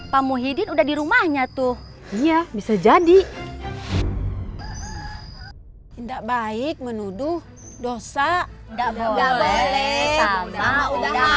pamuhidin udah di rumahnya tuh iya bisa jadi enggak baik menuduh dosa enggak boleh sama udah